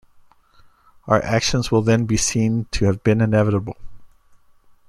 Our actions will then be seen to have been inevitable.